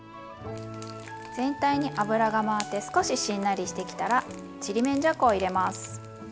全体に油が回って少ししんなりしてきたらちりめんじゃこを入れます。